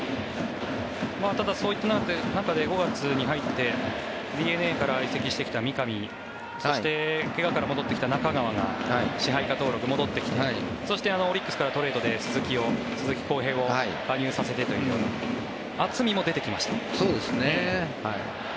ただ、そういった中で５月に入ってＤｅＮＡから移籍してきた三上そして怪我から戻ってきた中川が支配下登録戻ってきてそして、オリックスからトレードで鈴木康平を加入させてというそうですね。